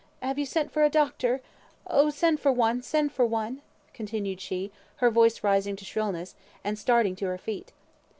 Have you sent for a doctor? Oh! send for one, send for one," continued she, her voice rising to shrillness, and starting to her feet.